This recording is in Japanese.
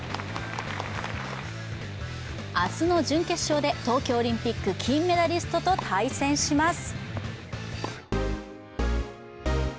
明日の準決勝で東京オリンピック金メダリストと対戦します。